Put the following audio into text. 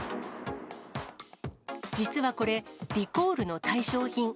実はこれ、リコールの対象品。